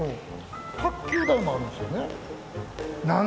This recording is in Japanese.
卓球台もあるんですよね何？